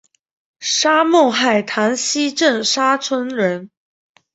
沙孟海塘溪镇沙村人。